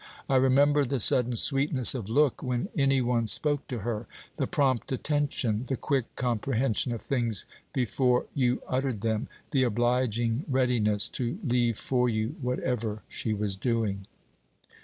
I remember the sudden sweetness of look when any one spoke to her; the prompt attention, the quick comprehension of things before you uttered them, the obliging readiness to leave for you whatever she was doing.